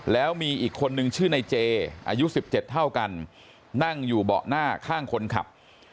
แล้วมีอีกคนนึงชื่อในเจอายุ๑๗เท่ากันนั่งอยู่เบาะหน้าข้างคนขับ